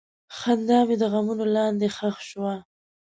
خندا مې د غمونو لاندې ښخ شوه.